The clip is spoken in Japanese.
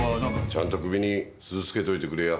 ちゃんと首に鈴つけといてくれや。